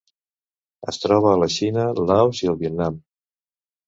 Es troba a la Xina, Laos i el Vietnam.